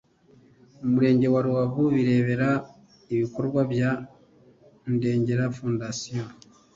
umurenge wa Rubavu birebera ibikorwa bya Ndengera Foundation